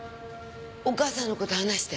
お母さんのこと話して。